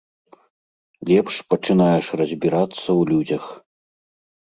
Лепш пачынаеш разбірацца ў людзях.